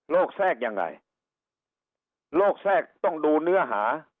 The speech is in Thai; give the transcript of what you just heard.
แทรกยังไงโรคแทรกต้องดูเนื้อหา